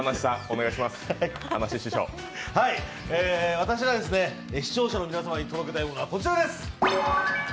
私が視聴者の皆様に届けたいものはこちらです。